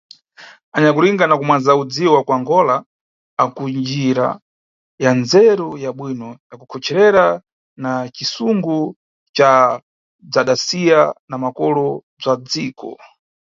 Anyakulinga na kumwaza udziwi wa kuAngola anku ndjira ya ndzeru ya bwino ya kukhocherera na cisungo ca bzwadasiya na makolo bzwa dziko.